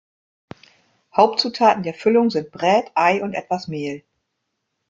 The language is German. Hauptzutaten der Füllung sind Brät, Ei und etwas Mehl.